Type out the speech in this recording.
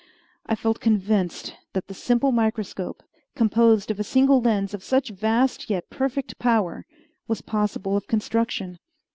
I felt convinced that the simple microscope, composed of a single lens of such vast yet perfect power, was possible of construction.